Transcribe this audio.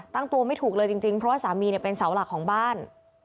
ตั้งตัวไม่ถูกเลยจริงเพราะว่าสามีเป็นเสาหลักของบ้าน